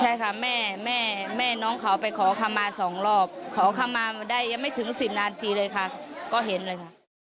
ใช่ค่ะแม่แม่น้องเขาไปขอคำมาสองรอบขอคำมาได้ยังไม่ถึง๑๐นาทีเลยค่ะก็เห็นเลยค่ะ